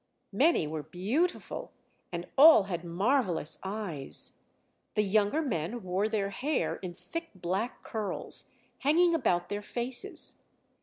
Many were beautiful, and all had marvellous eyes; the younger men wore their hair in thick black curls, hanging about their faces.